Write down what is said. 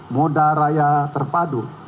moda raya terpadu